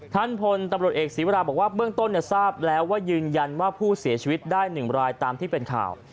ท่านพลตำรวจเอกศีวราบอกว่าเบื้องต้นทราบแล้วว่ายืนยันว่าผู้เสียชีวิตได้๑รายตามที่เป็นข่าว